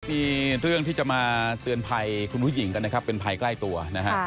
มีเรื่องที่จะมาเตือนภัยคุณผู้หญิงกันนะครับเป็นภัยใกล้ตัวนะฮะ